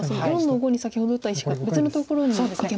４の五に先ほど打った石が別のところにいけますか。